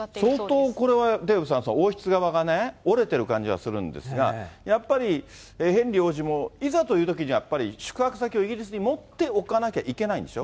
相当これはデーブさん、王室側がね、折れてる感じがするんですが、やっぱり、ヘンリー王子もいざというときにはやっぱり宿泊先をイギリスに持っておかなきゃいけないんでしょ？